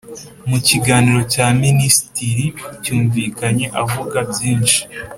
mu kiganiro cya minisitiri cyumvikanye avuga byinshi